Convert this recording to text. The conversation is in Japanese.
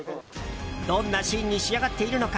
どんなシーンに仕上がっているのか